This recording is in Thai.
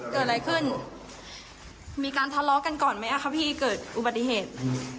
เกิดอะไรขึ้นมีการทะเลาะกันก่อนไหมคะพี่เกิดอุบัติเหตุ